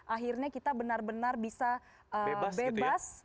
akhirnya kita benar benar bisa bebas